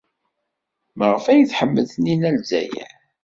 Maɣef ay themmel Taninna Lezzayer?